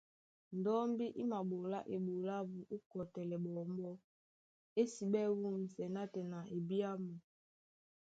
Ndɔ́mbí í maɓolá eɓoló ábū ó kɔtɛlɛ ɓɔmbɔ́, ésiɓɛ́ wûmsɛ nátɛna ebyámu.